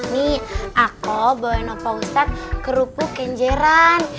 nih aku bawain nova ustadz kerupuk kenjeran